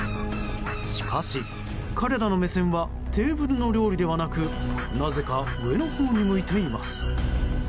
しかし、彼らの目線はテーブルの料理ではなくなぜか上のほうに向いています。